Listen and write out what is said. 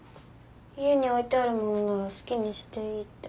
家に置いてあるものなら好きにしていいって。